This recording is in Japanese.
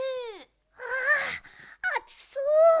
ああつそう！